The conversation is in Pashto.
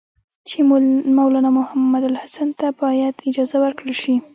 چې مولنا محمودالحسن ته باید اجازه ورکړل شي.